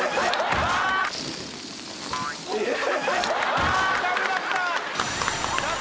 あーダメだった！